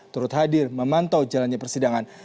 turut hadir memantau jalannya persidangan